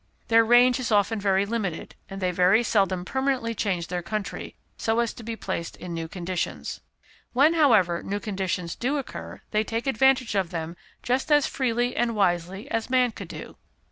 Their range is often very limited, and they very seldom permanently change their country, so as to be placed in new conditions. When, however, new conditions do occur, they take advantage of them just as freely and wisely as man could do.